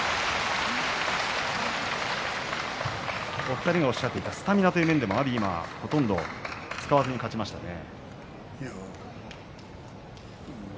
お二人がおっしゃっていたスタミナという面でも阿炎はほとんど使わずに勝ちましたね。